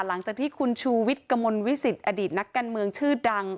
หลังจากที่คุณชูวิทย์กระมวลวิสิตอดีตนักการเมืองชื่อดัง